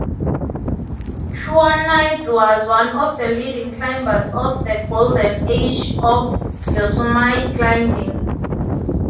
Chouinard was one of the leading climbers of the 'Golden Age of Yosemite Climbing'.